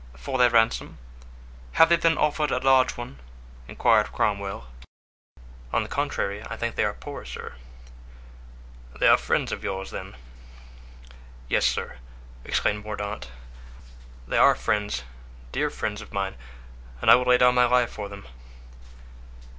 "For their ransom? have they then offered a large one?" inquired Cromwell. "On the contrary, I think they are poor, sir." "They are friends of yours, then?" "Yes, sir," exclaimed Mordaunt, "they are friends, dear friends of mine, and I would lay down my life for them."